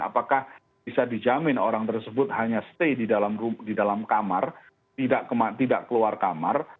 apakah bisa dijamin orang tersebut hanya stay di dalam kamar tidak keluar kamar